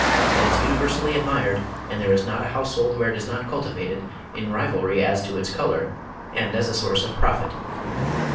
It is universally admired, and there is not a household where it is not cultivated, IN RIVALRY AS TO ITS COLOUR, and as a source of profit.")